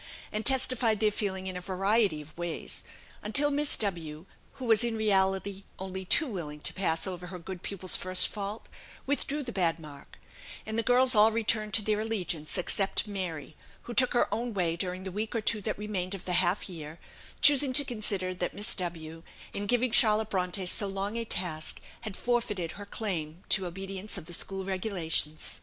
and testified their feeling in a variety of ways, until Miss W , who was in reality only too willing to pass over her good pupil's first fault, withdrew the bad mark; and the girls all returned to their allegiance except "Mary," who took her own way during the week or two that remained of the half year, choosing to consider that Miss W , in giving Charlotte Bronte so long a task, had forfeited her claim to obedience of the school regulations.